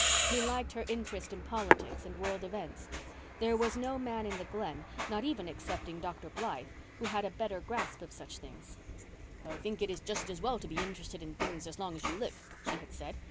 He liked her interest in politics and world events. There was no man in the Glen, not even excepting Dr. Blythe, who had a better grasp of such things. "I think it is just as well to be interested in things as long as you live," she had said.